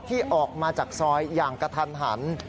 ที่ออกมาจากซอยอย่างกระทันหัน